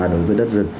đối với đất rừng